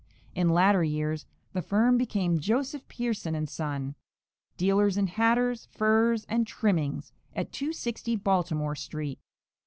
In latter years the firm became Joseph Pearson & Son, dealers in hatters' furs and trimmings, at 260 Baltimore street.